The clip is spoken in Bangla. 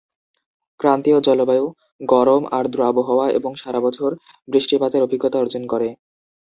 ক্রান্তীয় জলবায়ু গরম, আর্দ্র আবহাওয়া এবং সারা বছর বৃষ্টিপাতের অভিজ্ঞতা অর্জন করে।